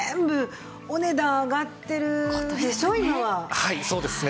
はいそうですね。